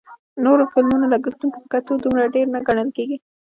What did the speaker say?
نورو فلمونو لګښتونو ته په کتو دومره ډېر نه ګڼل کېږي